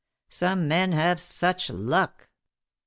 O Some men have such luck